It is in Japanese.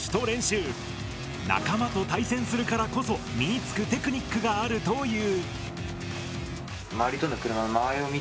仲間と対戦するからこそ身につくテクニックがあるという。